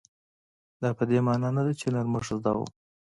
دا په دې مانا نه ده چې نرمښت زده و.